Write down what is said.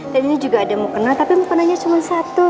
dan ini juga ada mukena tapi mukenanya cuma satu